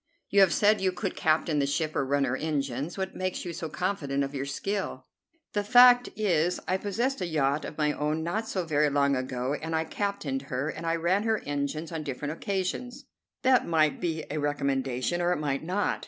You have said you could captain the ship or run her engines. What makes you so confident of your skill?" "The fact is I possessed a yacht of my own not so very long ago, and I captained her and I ran her engines on different occasions." "That might be a recommendation, or it might not.